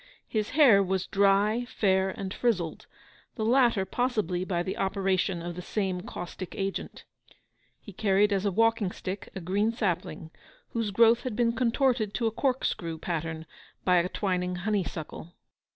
His hair was dry, fair, and frizzled, the latter possibly by the operation of the same caustic agent. He carried as a walking stick a green sapling, whose growth had been contorted to a corkscrew pattern by a twining honeysuckle.